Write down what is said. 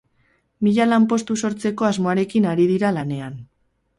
Mila lanpostu sortzeko asmoarekin ari dira lanean.